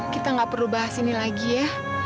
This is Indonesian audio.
kita gak perlu bahas ini lagi ya